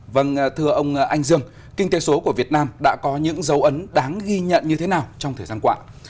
vâng thưa ông anh dương kinh tế số của việt nam đã có những dấu ấn đáng ghi nhận như thế nào trong thời gian qua